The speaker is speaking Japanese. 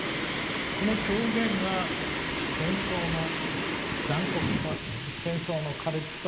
この証言が戦争の残酷さ戦争の苛烈さを一番的確に語る。